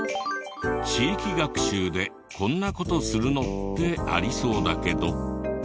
地域学習でこんな事するのってありそうだけど。